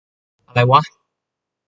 อะไรวะ !